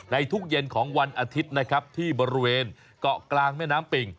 ทุกเย็นของวันอาทิตย์นะครับที่บริเวณเกาะกลางแม่น้ำปิ่ง